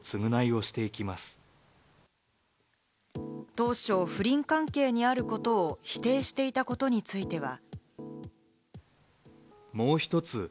当初、不倫関係にあることを否定していたことについては。